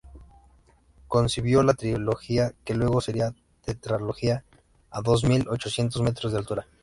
Concibió la trilogía, que luego sería tetralogía, a dos mil ochocientos metros de altura.